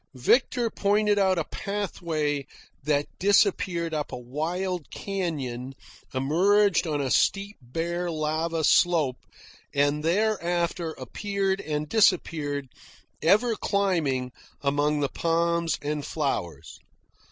Victor pointed out a pathway that disappeared up a wild canyon, emerged on a steep bare lava slope, and thereafter appeared and disappeared, ever climbing, among the palms and flowers.